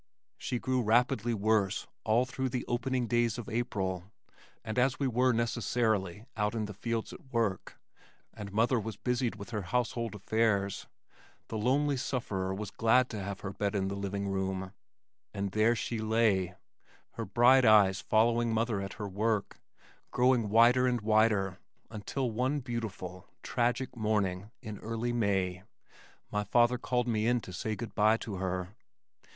She grew rapidly worse all through the opening days of April and as we were necessarily out in the fields at work, and mother was busied with her household affairs, the lonely sufferer was glad to have her bed in the living room and there she lay, her bright eyes following mother at her work, growing whiter and whiter until one beautiful, tragic morning in early May, my father called me in to say good bye to her.